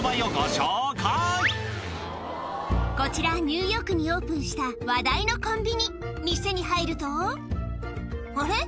こちらニューヨークにオープンした話題のコンビニ店に入るとあれ？